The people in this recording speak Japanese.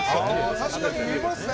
確かに見えますね。